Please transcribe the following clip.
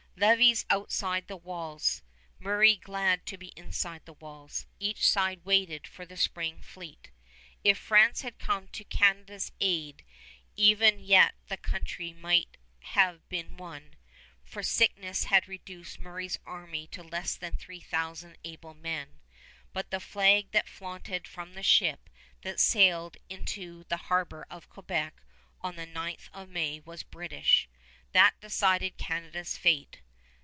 Lévis outside the walls, Murray glad to be inside the walls, each side waited for the spring fleet. If France had come to Canada's aid, even yet the country might have been won, for sickness had reduced Murray's army to less than three thousand able men; but the flag that flaunted from the ship that sailed into the harbor of Quebec on the 9th of May was British. That decided Canada's fate.